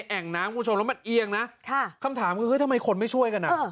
แอ่งน้ำคุณผู้ชมแล้วมันเอียงนะคำถามคือเฮ้ยทำไมคนไม่ช่วยกันอ่ะ